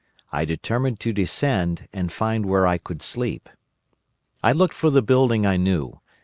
I determined to descend and find where I could sleep. "I looked for the building I knew.